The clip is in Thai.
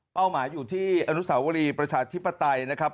หมายอยู่ที่อนุสาวรีประชาธิปไตยนะครับ